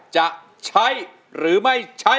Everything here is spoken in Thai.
จะใช้หรือไม่ใช้